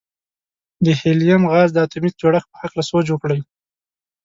د هیلیم غاز د اتومي جوړښت په هکله سوچ وکړئ.